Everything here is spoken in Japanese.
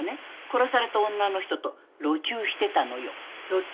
殺された女の人と路チューしてたのよ。